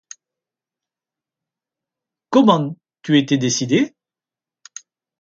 Comment, tu étais décidé?